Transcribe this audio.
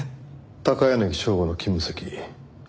高柳省吾の勤務先江